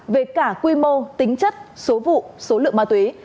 về cả quy mô tính chất số vụ số lượng ma túy